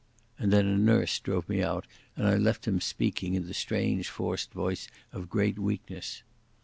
And then a nurse drove me out, and I left him speaking in the strange forced voice of great weakness.